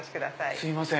すいません。